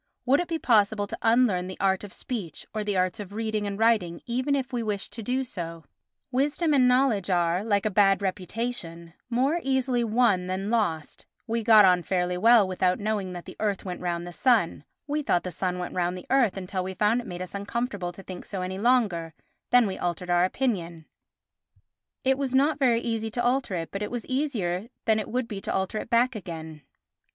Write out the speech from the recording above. Would it be possible to unlearn the art of speech or the arts of reading and writing even if we wished to do so? Wisdom and knowledge are, like a bad reputation, more easily won than lost; we got on fairly well without knowing that the earth went round the sun; we thought the sun went round the earth until we found it made us uncomfortable to think so any longer, then we altered our opinion; it was not very easy to alter it, but it was easier than it would be to alter it back again.